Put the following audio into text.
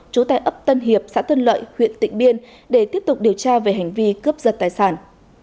trú tại ấp tân hiệp xã tân lợi huyện tịnh biên để tiếp tục điều tra về hành vi cướp giật tài sản